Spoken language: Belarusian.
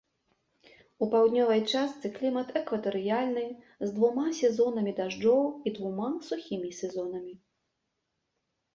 У паўднёвай частцы клімат экватарыяльны, з двума сезонамі дажджоў і двума сухімі сезонамі.